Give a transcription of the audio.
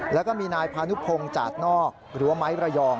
แล้วก็มีนายพานุพงศ์จาดนอกหรือว่าไม้ระยอง